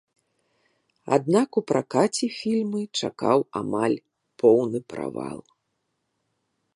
Аднак у пракаце фільмы чакаў амаль поўны правал.